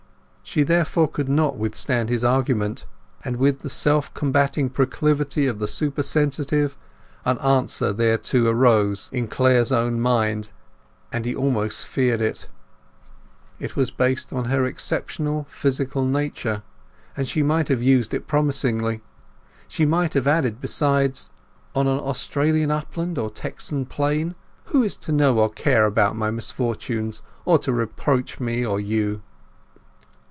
She therefore could not withstand his argument. But with the self combating proclivity of the supersensitive, an answer thereto arose in Clare's own mind, and he almost feared it. It was based on her exceptional physical nature; and she might have used it promisingly. She might have added besides: "On an Australian upland or Texan plain, who is to know or care about my misfortunes, or to reproach me or you?"